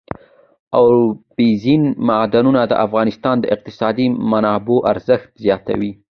اوبزین معدنونه د افغانستان د اقتصادي منابعو ارزښت زیاتوي.